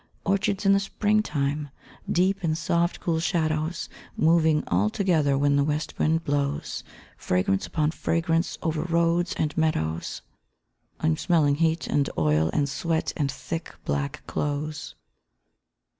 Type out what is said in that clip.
_ Orchards in the Spring time! Deep in soft, cool shadows, Moving all together when the west wind blows Fragrance upon fragrance over road and meadows _I'm smelling heat and oil and sweat, and thick, black clothes.